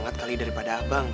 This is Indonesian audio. mungkin sekali daripada abang